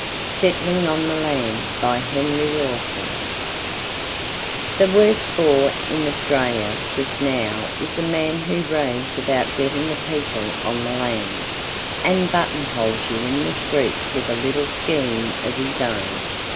SETTLING ON THE LAND The worst bore in Australia just now is the man who raves about getting the people on the land, and button holes you in the street with a little scheme of his own.